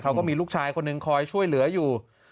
เขาก็มีลูกชายคนหนึ่งคอยช่วยเหลืออยู่